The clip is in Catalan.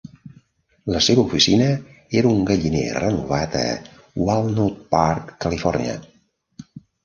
La seva oficina era un galliner renovat a Walnut Park, Califòrnia.